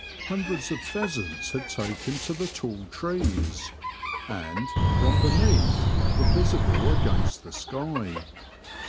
Hundreds of pheasants had taken to the tall trees, and, from beneath, were visible against the sky.